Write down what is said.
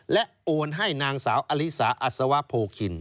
และโอนให้นางสาวอลิสาอัศวะโพคิน